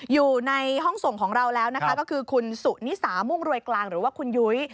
อยู่ในห้องส่งของเราแล้วนะคะก็คือคุณสุนิสามุ่งรวยกลางหรือว่าคุณยุ้ย